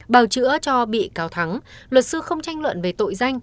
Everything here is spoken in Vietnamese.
bào chữa cho bị cáo thắng luật sư không tranh luận về tội danh